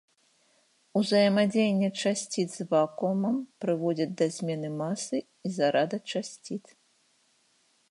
Узаемадзеянне часціц з вакуумам прыводзіць да змены масы і зарада часціц.